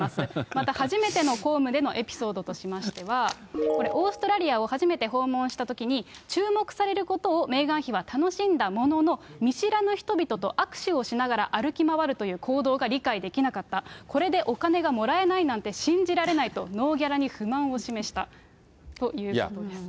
また初めての公務でのエピソードとしましては、これ、オーストラリアを初めて訪問したときに、注目されることをメーガン妃は楽しんだものの見知らぬ人々と握手をしながら歩き回るという行動が理解できなかった、これでお金がもらえないなんて信じられないと、ノーギャラに不満を示したということです。